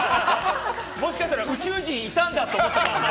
もしかしたら宇宙人いたんだって思ったかもね。